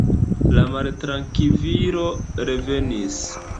La maltrankvilo revenis.